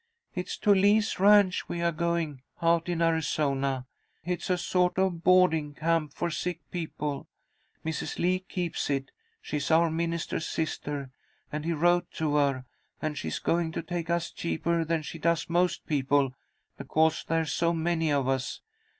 "It's to Lee's Ranch we are going, out in Arizona. It's a sort of boarding camp for sick people. Mrs. Lee keeps it. She's our minister's sister, and he wrote to her, and she's going to take us cheaper than she does most people, because there's so many of us.